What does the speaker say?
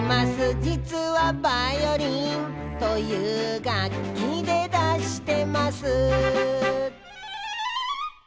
「じつは『バイオリン』という楽器でだしてます」